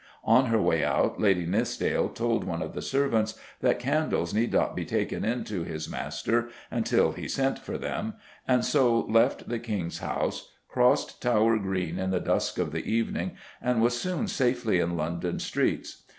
On her way out Lady Nithsdale told one of the servants that candles need not be taken in to his master "until he sent for them," and so left the King's House, crossed Tower Green in the dusk of the evening, and was soon safely in London streets.